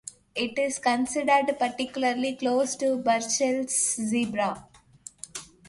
It is considered particularly close to Burchell's zebra.